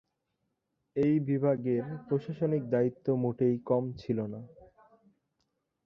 এই বিভাগের প্রশাসনিক দায়িত্ব মোটেই কম ছিল না।